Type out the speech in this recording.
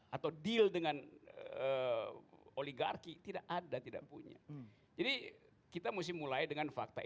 atau deal dengan oligarki tidak ada tidak punya jadi kita mesti mulai dengan fakta